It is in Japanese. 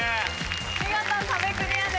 見事壁クリアです。